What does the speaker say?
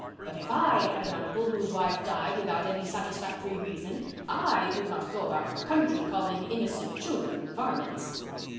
But if I had an uncle whose wife died without any satisfactory reason, I would not go about the country calling innocent children varmints."